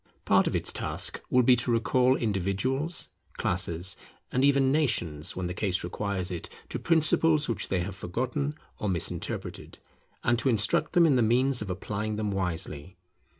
Part of its task will be to recall individuals, classes, and even nations, when the case requires it, to principles which they have forgotten or misinterpreted, and to instruct them in the means of applying them wisely.